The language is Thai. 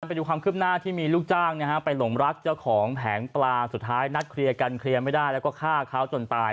ไปดูความคืบหน้าที่มีลูกจ้างไปหลงรักเจ้าของแผงปลาสุดท้ายนัดเคลียร์กันเคลียร์ไม่ได้แล้วก็ฆ่าเขาจนตาย